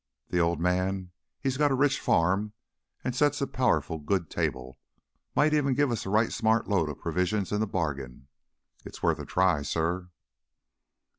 The old man, he's got a rich farm and sets a powerful good table. Might even give us a right smart load of provisions into the bargain. It's worth a try, suh...."